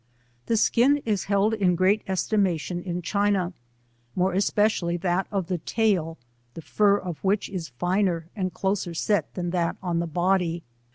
The skin is held in great estimation in China, more especially that of the tail, the fur of which is finer and closer set than that on the body.